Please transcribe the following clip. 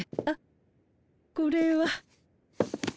あっこれは。